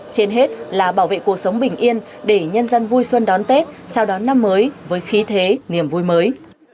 trên hết là bảo vệ cuộc sống bình yên để nhân dân vui xuân đón tết chào đón năm mới với khí thế niềm vui mới